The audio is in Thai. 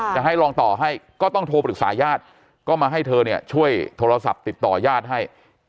จะให้ลองต่อให้ก็ต้องโทรปรึกษาญาติก็มาให้เธอเนี่ยช่วยโทรศัพท์ติดต่อญาติให้